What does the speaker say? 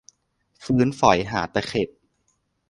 ฟื้นฝอยหาตะเข็บ